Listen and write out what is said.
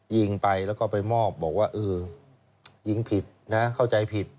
ยิงไปแล้วก็ไปมอบบอกว่าเออยิงผิดนะเข้าใจผิด